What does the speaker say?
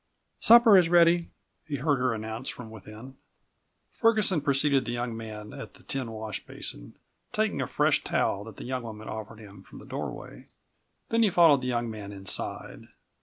"Supper is ready," he heard her announce from within. Ferguson preceded the young man at the tin wash basin, taking a fresh towel that the young woman offered him from the doorway. Then he followed the young man inside.